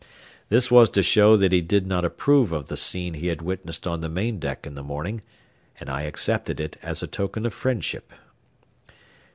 This was to show that he did not approve of the scene he had witnessed on the main deck in the morning, and I accepted it as a token of friendship.